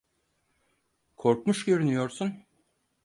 Korkmuş görünüyorsun.